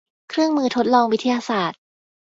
เครื่องมือทดลองวิทยาศาสตร์